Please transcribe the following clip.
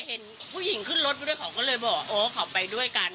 เห็นผู้หญิงขึ้นรถไปด้วยเขาก็เลยบอกโอ้เขาไปด้วยกัน